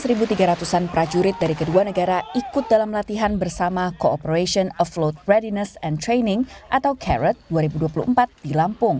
satu tiga ratus an prajurit dari kedua negara ikut dalam latihan bersama cooperation of load readiness and training atau carot dua ribu dua puluh empat di lampung